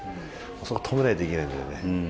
止めないといけないんだよね。